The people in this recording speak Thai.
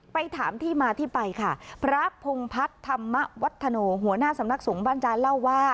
ไปถามที่มาที่ไปค่ะพระพงพัฒน์ธรรมวัฒโนหัวหน้าสำนักสงฆ์บ้านจานเล่าว่า